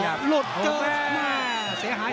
หลบลดจดเซฮ้ายเซฮ้าย